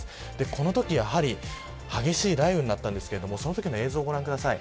このとき、やはり激しい雷雨になったんですけどそのときの映像をご覧ください。